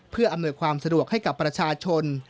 เพื่ออำนวยความสะดวกให้กับประชาชน